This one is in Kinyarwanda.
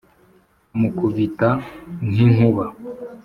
amukubita nk’inkuba,